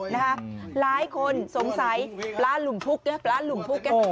หลายคนสงสัยปลาลุมพุกนะปลาลุมพุก